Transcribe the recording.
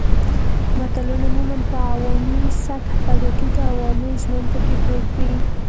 متلونه عموماً په عوامي سطحه پیدا کیږي او عوامي ژوند پکې پروت وي